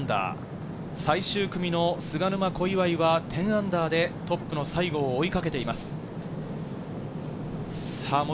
最終組の菅沼、小祝は、−１０でトップの西郷を追いかけています。